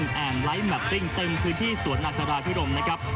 และไลฟ์แมปติ้งเต็มพื้นที่สวรรณภรภิรมนะครับ